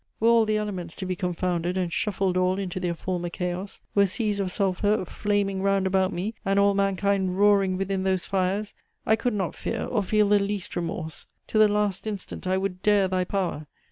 Were all the elements to be confounded, And shuffled all into their former chaos; Were seas of sulphur flaming round about me, And all mankind roaring within those fires, I could not fear, or feel the least remorse. To the last instant I would dare thy power.